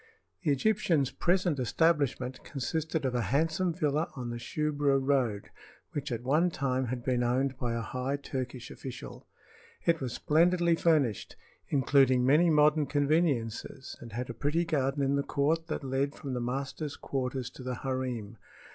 The Egyptian's present establishment consisted of a handsome villa on the Shubra road which at one time had been owned by a high Turkish official. It was splendidly furnished, including many modern conveniences, and had a pretty garden in the court that led from the master's quarters to the harem.